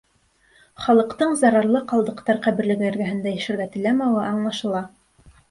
Халыҡтың зарарлы ҡалдыҡтар ҡәберлеге эргәһендә йәшәргә теләмәүе аңлашыла.